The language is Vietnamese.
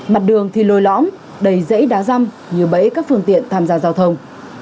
mặt đường thì lồi lõm đầy dãy đá răm như bấy các phương tiện tham gia giao thông